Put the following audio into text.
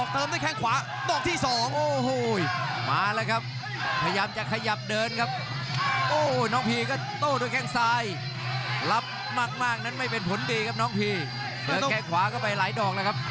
เตือกแก้ขวาก็ไปหลายดอกแล้วครับ